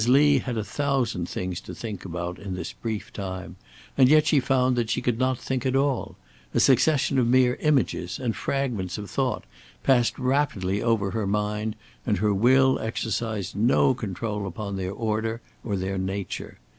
Lee had a thousand things to think about in this brief time, and yet she found that she could not think at all; a succession of mere images and fragments of thought passed rapidly over her mind, and her will exercised no control upon their order or their nature.